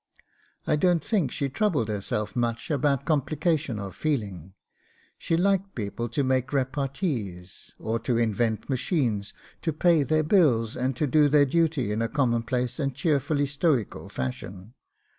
I don't think she troubled herself much about complication of feeling; she liked people to make repartees, or to invent machines, to pay their bills, and to do their duty in a commonplace and cheerfully stoical fashion.